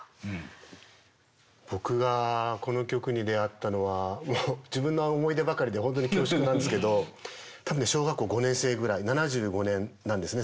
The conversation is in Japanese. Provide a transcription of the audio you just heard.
僕がこの曲に出会ったのはもう自分の思い出ばかりで本当に恐縮なんですけど多分ね小学校５年生ぐらい７５年なんですね